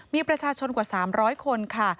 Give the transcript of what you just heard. มีประชาชนกว่าสามร้อยคนค่ะ